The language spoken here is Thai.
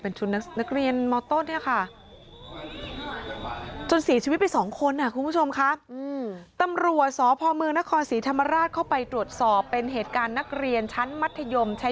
เนี่ยแล้วก็เป็นชุดนักเรียนมต้นเนี่ยค่ะ